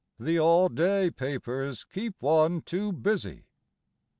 The all day papers keep one too busy.